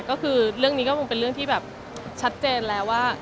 ก็คือเรื่องนี้ก็คงเป็นเรื่องที่แบบชัดเจนแล้วว่า